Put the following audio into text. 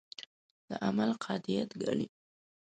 د عمل قاطعیت ګڼي.